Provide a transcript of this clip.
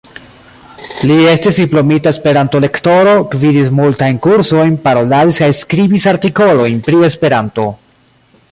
Li estis diplomita Esperanto-lektoro, gvidis multajn kursojn, paroladis kaj skribis artikolojn pri Esperanto.